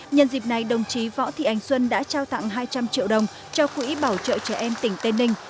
nhân dịp này đồng chí võ thị ánh xuân đã trao tặng hai trăm linh triệu đồng cho quỹ bảo trợ trẻ em tỉnh tây ninh